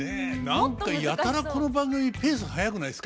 何かやたらこの番組ペース速くないですか？